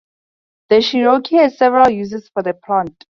The Cherokee had several uses for the plant.